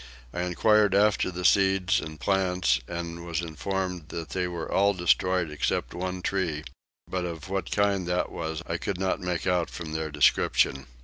I enquired after the seeds and plants and was informed that they were all destroyed except one tree, but of what kind that was I could not make out from their description.